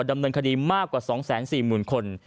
ดำเนินคดีมากกว่า๒๔๐๐๐คน